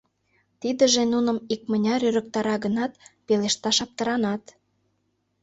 Тидыже нуным икмыняр ӧрыктара гынат, пелешташ аптыранат.